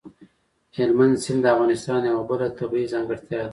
هلمند سیند د افغانستان یوه بله طبیعي ځانګړتیا ده.